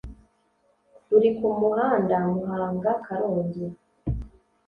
ruri ku muhanda Muhanga– Karongi